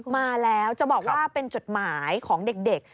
มาแล้วจะบอกว่าเป็นจดหมายของเด็ก